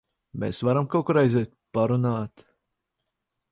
Mēs varam kaut kur aiziet parunāt?